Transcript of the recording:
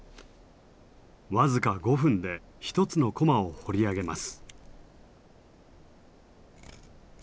僅か５分で１つの駒を彫り上げます。